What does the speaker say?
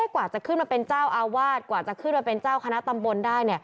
กว่าจะขึ้นมาเป็นเจ้าอาวาสกว่าจะขึ้นมาเป็นเจ้าคณะตำบลได้